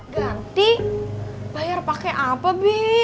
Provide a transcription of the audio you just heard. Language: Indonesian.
ganti bayar pakai apa bi